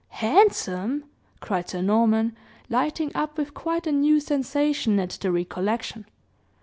"Handsome!" cried Sir Norman, lighting up with quite a new sensation at the recollection.